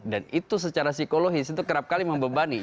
dan itu secara psikologis itu kerap kali membebani